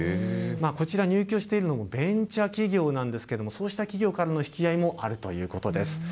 こちら、入居しているのもベンチャー企業なんですけれども、そうした企業からの引き合いもあるということです。